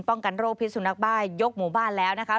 กันโรคพิษสุนักบ้ายกหมู่บ้านแล้วนะคะ